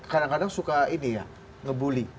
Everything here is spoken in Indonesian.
kadang kadang suka ini ya ngebully